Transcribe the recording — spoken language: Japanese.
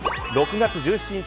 ６月１７日